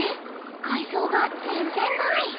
海藻が全然ない！